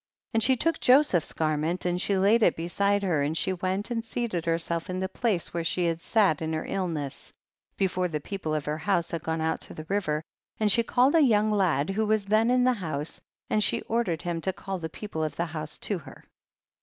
56. And she took Joseph's gar ment and she laid it beside her, and she went and seated herself in the place where she had sat in her ill ness, before the people of her house had gone out to the river, and she called a young lad who was then in the house, and she ordered him to call the people of the house to her.